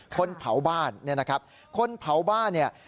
คนเผาบ้านเนี่ยนะครับคนเผาบ้านเนี่ย